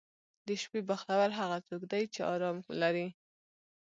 • د شپې بختور هغه څوک دی چې آرام لري.